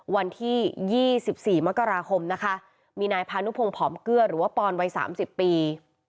วันที่๒๔มกราคมนะคะมีนายพานุพงศ์ผอมเกลือหรือว่าปอนวัย๓๐ปี